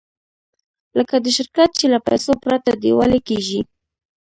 لکه د شرکت چې له پیسو پرته ډیوالي کېږي.